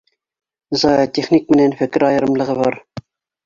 Зоотехник менән фекер айырымлығы бар.